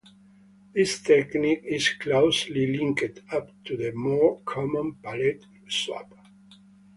This technique is closely linked to the more common palette swap.